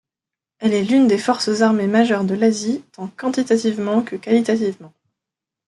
Elle est l'une des forces armées majeures de l'Asie tant quantitativement que qualitativement.